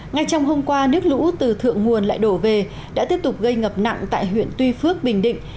ngay trong hôm qua nước lũ từ thượng nguồn lại đổ về đã tiếp tục gây ngập nặng tại huyện tuy phước bình định